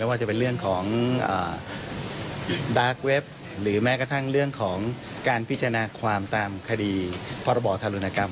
ว่าจะเป็นเรื่องของดาร์กเว็บหรือแม้กระทั่งเรื่องของการพิจารณาความตามคดีพรบธารุณกรรม